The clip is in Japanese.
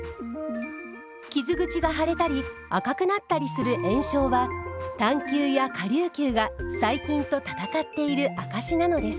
傷口が腫れたり赤くなったりする炎症は単球や顆粒球が細菌と戦っている証しなのです。